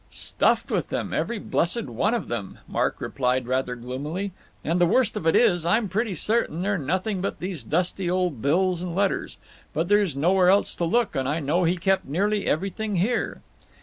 "Stuffed with them, every blessed one of them," Mark replied rather gloomily. "And the worst of it is, I'm pretty certain they're nothing but these dusty old bills and letters. But there's nowhere else to look, and I know he kept nearly everything here."